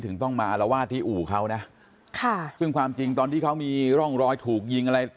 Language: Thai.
ต้องมาอารวาสที่อู่เขานะค่ะซึ่งความจริงตอนที่เขามีร่องรอยถูกยิงอะไร